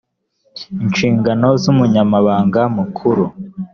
inshingano z umunyabanga mukuru